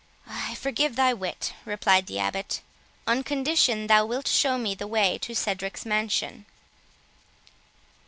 "I forgive thy wit," replied the Abbot, "on condition thou wilt show me the way to Cedric's mansion."